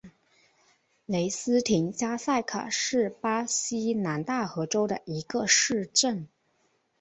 雷斯廷加塞卡是巴西南大河州的一个市镇。